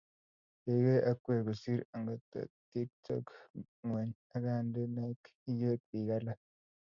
Keikei akwek kosir agotnda tiekchok ngwony akandenak iywei bik alak